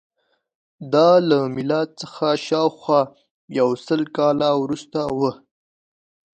دا له میلاد څخه شاوخوا یو سل کاله وروسته وه